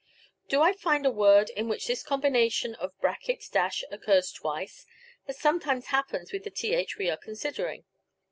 Do I find a word in which this combination of. >.[] occurs twice, as sometimes happens with the th we are considering?